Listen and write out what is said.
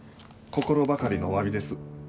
心ばかりのおわびです。